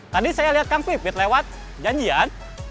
tadi saya lihat kang pipit lewat janjian